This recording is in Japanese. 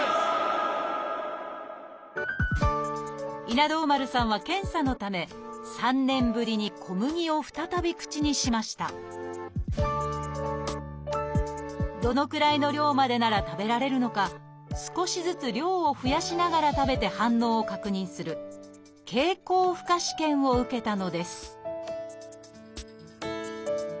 稲童丸さんは検査のため３年ぶりに小麦を再び口にしましたどのくらいの量までなら食べられるのか少しずつ量を増やしながら食べて反応を確認する「経口負荷試験」を受けたのです